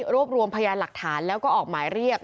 รวบรวมพยานหลักฐานแล้วก็ออกหมายเรียก